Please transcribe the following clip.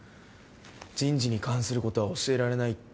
人事に関することは教えられないって。